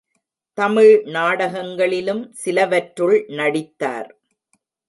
தமிழ் நாடகங்களிலும் சிலவற்றுள் நடித்தார்.